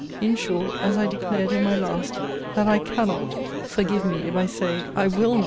In short, as I declared in my last, that I cannot [forgive me, if I say, I will not] ever be his.